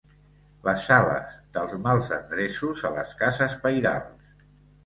Les sales dels mals endreços a les cases pairals.